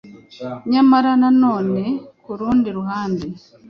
Nyamara na none ku rundi ruhande